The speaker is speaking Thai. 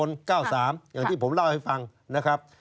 อย่างที่ผมเล่าให้ฟังนะครับ